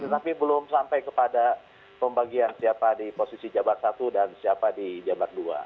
tetapi belum sampai kepada pembagian siapa di posisi jabar satu dan siapa di jabar dua